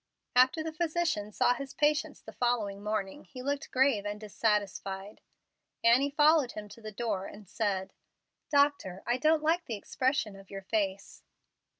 After the physician saw his patients the following morning, he looked grave and dissatisfied. Annie followed him to the door, and said, "Doctor, I don't like the expression of your face."